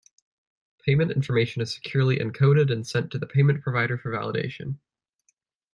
Payment information is securely encoded and sent to the payment provider for validation.